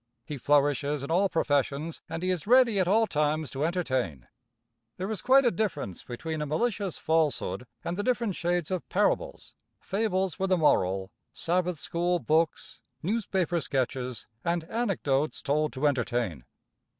He flourishes in all professions, and he is ready at all times to entertain. There is quite a difference between a malicious falsehood and the different shades of parables, fables with a moral, Sabbath school books, newspaper sketches, and anecdotes told to entertain.